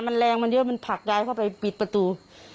มันแรงมันเยอะมันผลักยายเข้าไปปิดประตู